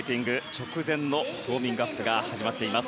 直前のウォーミングアップが始まっています。